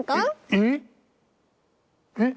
えっえっ？